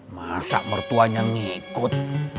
masa mertuanya ngikut